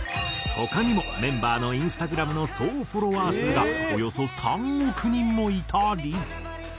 他にもメンバーのＩｎｓｔａｇｒａｍの総フォロワー数がおよそ３億人もいたり。